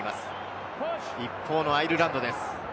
一方のアイルランドです。